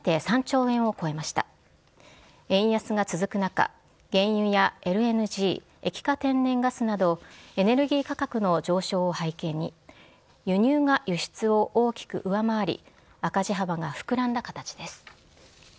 円安が続く中原油やＬＮＧ＝液化天然ガスなどエネルギー価格の上昇を背景に輸入が輸出を大きく上回り赤字幅が膨らんだ形です。